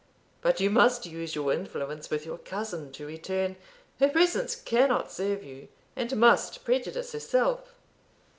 But you must use your influence with your cousin to return; her presence cannot serve you, and must prejudice herself."